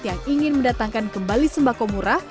yang ingin mendatangkan kembali sembako murah